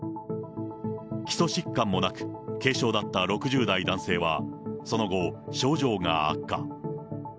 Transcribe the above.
基礎疾患もなく、軽症だった６０代男性はその後、症状が悪化。